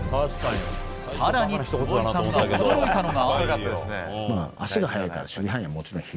更に坪井さんが驚いたのが。